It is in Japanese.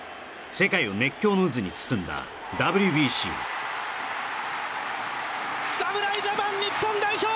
世界を熱狂の渦に包んだＷＢＣ侍ジャパン日本代表